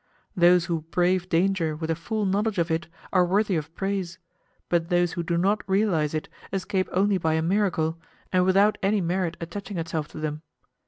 Those who brave danger with a full knowledge of it are worthy of praise, but those who do not realize it escape only by a miracle, and without any merit attaching itself to them.